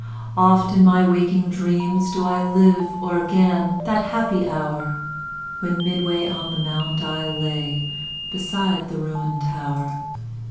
Oft in my waking dreams do ILive o'er again that happy hour, When midway on the mount I lay, Beside the ruin'd tower.